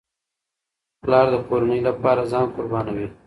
پلار د کورنۍ لپاره ځان قربانوي.